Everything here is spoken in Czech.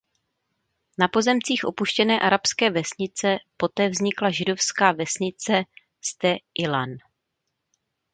Na pozemcích opuštěné arabské vesnice poté vznikla židovská vesnice Sde Ilan.